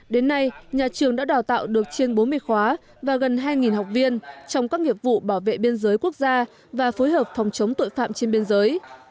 đến nay nhà trường đã đào tạo được trên bốn mươi khóa và gần hai học viên trong các nghiệp vụ bảo vệ biên giới quốc gia và phối hợp phòng chống tội phạm trên biên giới